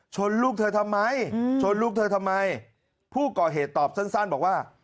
ลูกเธอทำไมชนลูกเธอทำไมผู้ก่อเหตุตอบสั้นบอกว่า